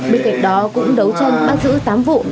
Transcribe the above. bên cạnh đó cũng đấu tranh bắt giữ tám vụ